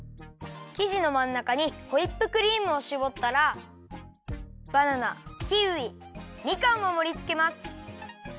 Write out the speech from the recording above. きじのまんなかにホイップクリームをしぼったらバナナキウイみかんをもりつけます。